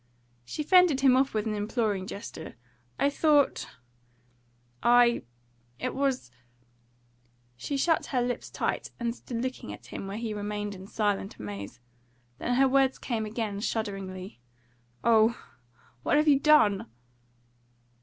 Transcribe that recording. She fended him off with an imploring gesture. "I thought I it was " She shut her lips tight, and stood looking at him where he remained in silent amaze. Then her words came again, shudderingly. "Oh, what have you done?"